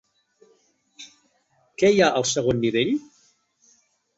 Què hi ha al segon nivell?